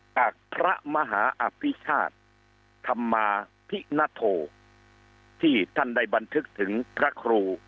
จากพระมหาอภิชาติธรรมาพินโทที่ท่านได้บันทึกถึงพระครู